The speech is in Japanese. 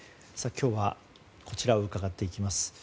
今日はこちらをうかがっていきます。